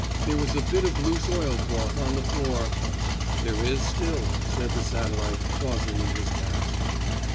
There was a bit of loose oilcloth on the floor " "There is still," said the satellite, pausing in his task.